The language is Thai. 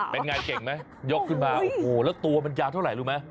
เป็นไงเก่งไหมยกขึ้นมาโอ้โหแล้วตัวมันยาวเท่าไหร่รู้ไหม